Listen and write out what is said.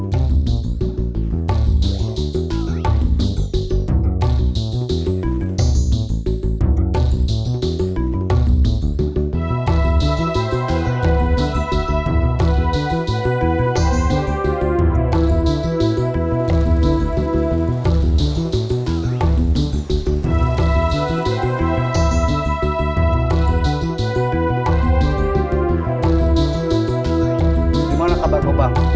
bagaimana kabarnya pak